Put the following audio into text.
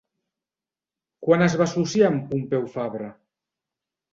Quan es va associar amb Pompeu Fabra?